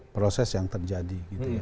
proses yang terjadi